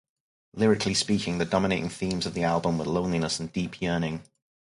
Lyrically speaking, the dominating themes of the album were loneliness and deep yearning.